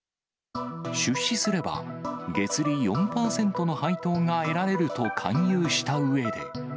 出資すれば、月利４％の配当が得られると勧誘したうえで。